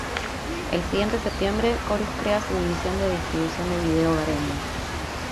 El siguiente septiembre Corus crea su división de distribución de video hogareña.